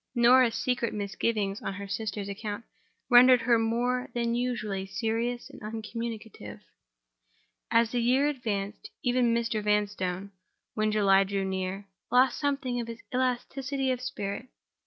Norah's secret misgivings on her sister's account rendered her more than usually serious and uncommunicative, as the year advanced. Even Mr. Vanstone, when July drew nearer, lost something of his elasticity of spirit.